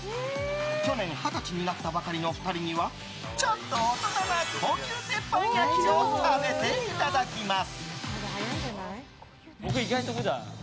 去年、二十歳になったばかりの２人にはちょっと大人な高級鉄板焼きを食べていただきます。